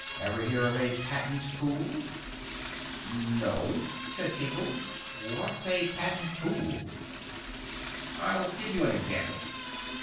Ever hear of a patent pool?" "No," said Siegel. "What's a patent pool?" "I'll give you an example.